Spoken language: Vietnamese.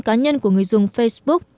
cá nhân của người dùng facebook